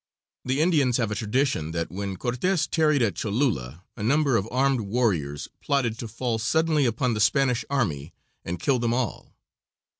The Indians have a tradition that when Cortes tarried at Cholula, a number of armed warriors plotted to fall suddenly upon the Spanish army and kill them all.